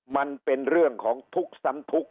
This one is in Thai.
มันเป็นเรื่องของทุกข์ซ้ำทุกข์